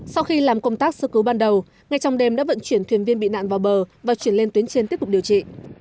sau khi làm công tác sơ cứu ban đầu ngay trong đêm đã vận chuyển thuyền viên bị nạn vào bờ và chuyển lên tuyến trên tiếp tục điều trị